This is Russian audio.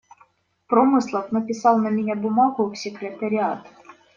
Промыслов написал на меня бумагу в Секретариат.